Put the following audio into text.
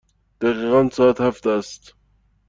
دقیقاً ساعت هفت است.